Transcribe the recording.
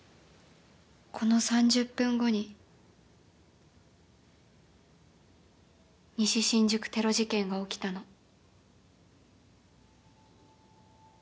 この３０分後に西新宿テロ事件が起きたの。